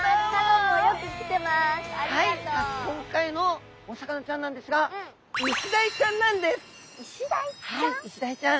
今回のお魚ちゃんなんですがイシダイちゃん！